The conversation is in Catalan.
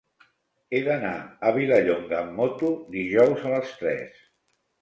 He d'anar a Vilallonga amb moto dijous a les tres.